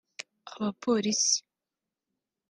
abapolisi